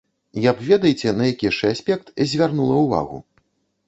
Я б ведаеце, на які яшчэ аспект звярнула ўвагу.